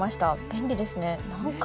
便利ですね。